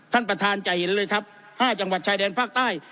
ท่านประธานจะเห็นเลยครับ๕จังหวัดชายแดนภาคใต้